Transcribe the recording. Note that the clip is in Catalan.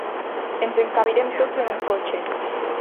Ens encabirem tots en un cotxe.